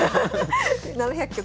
７００局。